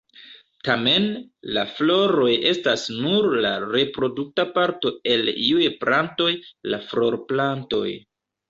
Tamen, la floroj estas nur la reprodukta parto el iuj plantoj: la florplantoj.